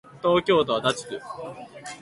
東京都足立区